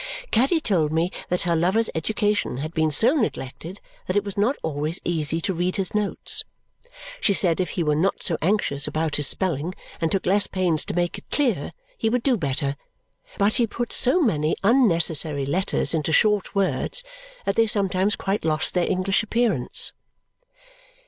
Caddy told me that her lover's education had been so neglected that it was not always easy to read his notes. She said if he were not so anxious about his spelling and took less pains to make it clear, he would do better; but he put so many unnecessary letters into short words that they sometimes quite lost their English appearance.